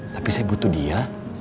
tapi saya butuh dia